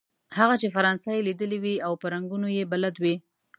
هغه چې فرانسه یې ليدلې وي او په رنګونو يې بلد وي.